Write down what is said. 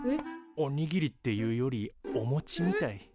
おにぎりっていうよりおもちみたい。